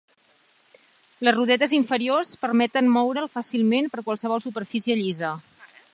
Les rodetes inferiors permeten moure'l fàcilment per qualsevol superfície llisa.